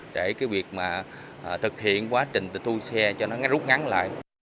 để việc thực hiện quá trình thu xe cho nó rút ngắn lại